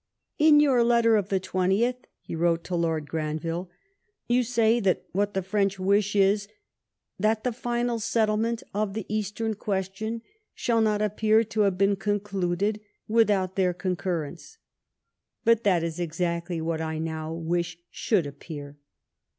In yonr letter of the 20th [he wrote to Lord Granville] you say that what the French wish is << that the final sett^ment of the East^n question shall not appear to have been concluded without their con currence/' But that is exactly what I now wish should appear.